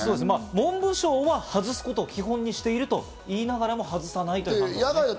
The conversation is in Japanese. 文部省は外すことを基本にしていると言いながらも外さない。